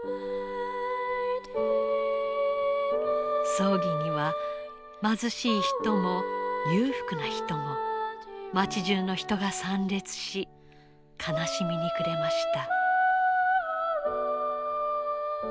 葬儀には貧しい人も裕福な人も町じゅうの人が参列し悲しみに暮れました。